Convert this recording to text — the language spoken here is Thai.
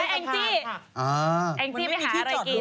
อ้าวมันไม่มีที่จอดหรือว่าอ้างจี้ไม่หาอะไรกิน